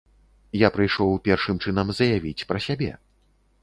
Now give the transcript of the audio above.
Я прыйшоў першым чынам заявіць пра сябе.